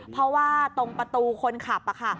เพราะว่าตรงประตูคนขับค่ะ